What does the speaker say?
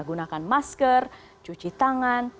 gunakan masker cuci tangan